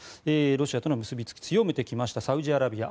ロシアとの結びつきを強めてきましたサウジアラビア。